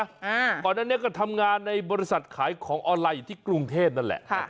ก่อนนั้นเนี่ยก็ทำงานในบริษัทขายของออนไลน์อยู่ที่กรุงเทพนั่นแหละ